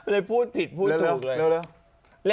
เลยพูดผิดพูดถูกเลย